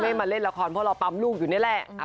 มาเล่นละครเพราะเราปั๊มลูกอยู่นี่แหละ